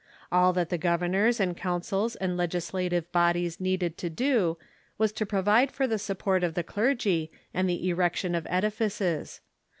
All that the governors and councils and legislative bodies needed to do was to provide for the sup port of the clergy and the erection of edifices.